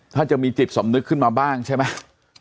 ถ้าจะมีจิตสำนึกขึ้นมาบ้างใช่ไหม